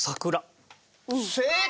正解！